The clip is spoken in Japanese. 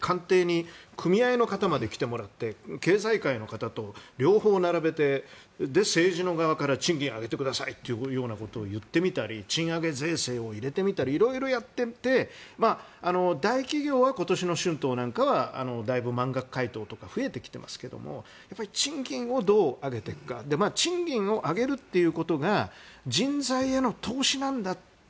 官邸に組合の方まで来てもらって経済界の方と両方並べて、政治側から賃金を上げてくださいと言ってみたり賃上げ税制を入れてみたりいろいろやっていって大企業は今年の春闘なんかはだいぶ、満額回答が増えてきていますが賃金をどう上げていくか賃金を上げるということが人材への投資なんだ。